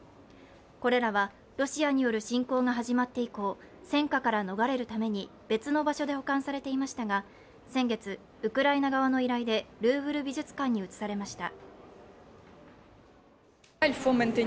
これらはロシアによる侵攻が始まって以降、戦火から逃れるために別の場所で保管されていましたが先月、ウクライナ側の依頼でルーブル美術館に移されました。